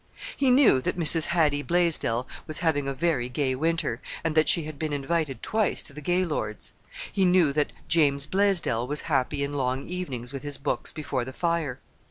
He knew that Mrs. Hattie Blaisdell was having a very gay winter, and that she had been invited twice to the Gaylords'. He knew that James Blaisdell was happy in long evenings with his books before the fire.